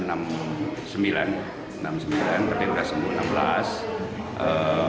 berarti sudah sembuh enam belas